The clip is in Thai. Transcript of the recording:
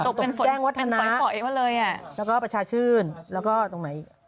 ตรงแจ้งวัฒนะแล้วก็ประชาชื่นแล้วก็ตรงไหน